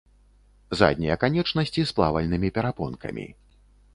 Заднія канечнасці з плавальнымі перапонкамі.